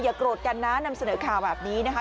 อย่ากรวดกันน้านำเสนอข่าวแบบนี้นะคะ